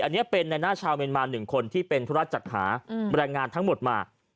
อันนี้เป็นในหน้าชาวเมียนมา๑คนที่เป็นธุระจัดหาแรงงานทั้งหมดมา